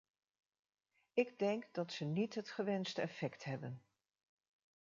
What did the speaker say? Ik denk dat ze niet het gewenste effect hebben.